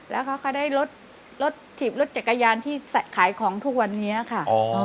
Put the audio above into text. แล้วเขาก็ได้รถรถถีบรถจักรยานที่ขายของทุกวันนี้ค่ะ